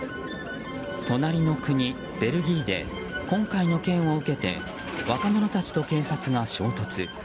隣の国ベルギーで今回の件を受けて若者たちと警察が衝突。